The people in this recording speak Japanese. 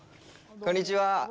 こんにちは。